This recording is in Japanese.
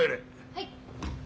はい。